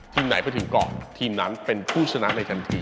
ทีมไหนไปถึงกรทีมนั้นเป็นผู้ชนะในกรรมที